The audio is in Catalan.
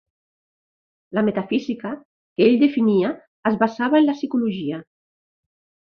La metafísica que ell defenia es basava en la psicologia.